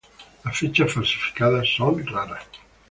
Las fichas falsificadas son raras.